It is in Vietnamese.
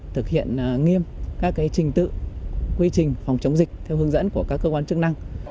thực hiện nghiêm các trình tự quy trình phòng chống dịch theo hướng dẫn của các cơ quan chức năng